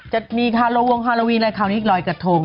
จะมีวงฮาโลวีนละคราวนี้รอยกระทง